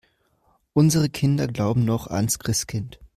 Unsere Kinder glauben noch ans Christkind.